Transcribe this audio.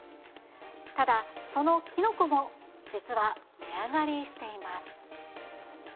ただ、そのキノコも実は値上がりしています。